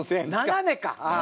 斜めか。